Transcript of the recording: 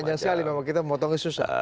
panjang sekali kita memotongnya susah